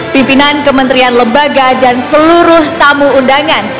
pimpinan kementerian lembaga dan seluruh tamu undangan